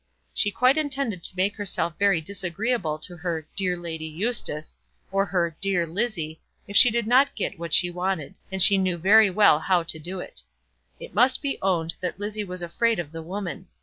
She quite intended to make herself very disagreeable to her "dear Lady Eustace" or her "dear Lizzie" if she did not get what she wanted; and she knew very well how to do it. It must be owned that Lizzie was afraid of the woman.